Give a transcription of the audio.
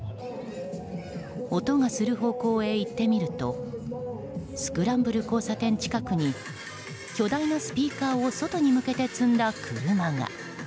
音がする方向へ行ってみるとスクランブル交差点近くに巨大なスピーカーを外に向けて積んだ車が。